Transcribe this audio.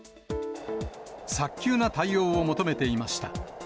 早急な対応を求めていました。